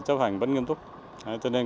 chấp hành vẫn nghiêm túc cho nên